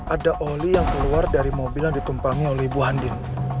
ada oli yang keluar dari mobil yang ditumpangi oleh ibu handin